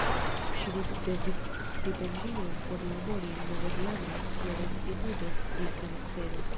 Ŝi ricevis stipendion por labori en nederlanda esplora instituto pri kancero.